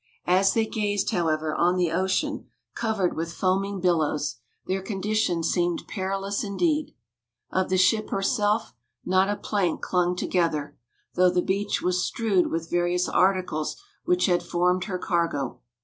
As they gazed, however, on the ocean, covered with foaming billows, their condition seemed perilous indeed. Of the ship herself, not a plank clung together, though the beach was strewed with various articles which had formed her cargo.